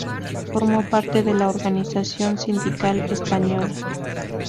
Formó parte de la Organización Sindical Española.